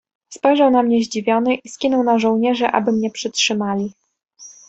"Spojrzał na mnie zdziwiony i skinął na żołnierzy, aby mnie przytrzymali."